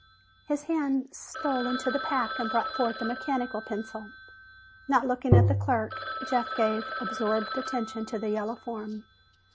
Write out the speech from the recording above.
His hand stole into the pack and brought forth a mechanical pencil. Not looking at the clerk, Jeff gave absorbed attention to the yellow form.